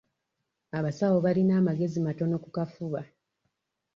Abasawo bayina amagezi matono ku kafuba.